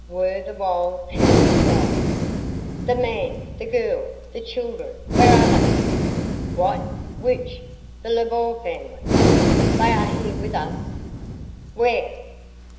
were the wild counter cries. "The man! The girl! The children! Where are they?" "What? Which? The Lebeau family? They are here with us." "Where?"